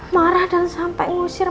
marah dan sampai ngusir